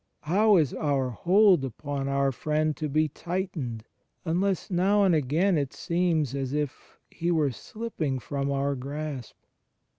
How is our hold upon our Friend to be tightened unless now and again it seems as if He were slipping from our grasp?